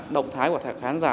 động thái của khán giả